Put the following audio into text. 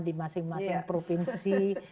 di masing masing provinsi